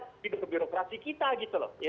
hidup birokrasi kita gitu loh